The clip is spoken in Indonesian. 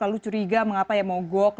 lalu curiga mengapa ya mogok